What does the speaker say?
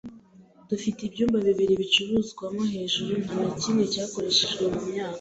Dufite ibyumba bibiri by'ibicuruzwa hejuru, nta na kimwe cyakoreshejwe mu myaka.